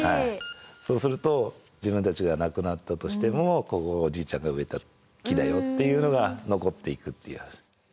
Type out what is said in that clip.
そうすると自分たちが亡くなったとしてもここがおじいちゃんの植えた木だよっていうのが残っていくっていう。